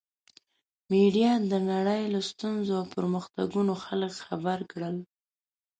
میډیا د نړۍ له ستونزو او پرمختګونو خلک خبر کړل.